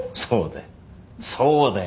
そうだよ。